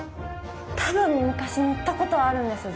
多分、昔、乗ったことあるんですよ